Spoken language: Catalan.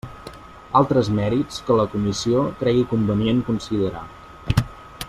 Altres mèrits que la Comissió cregui convenient considerar.